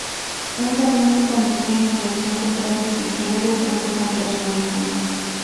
Un camión que conducía en dirección contraria se estrelló de frente contra su vehículo.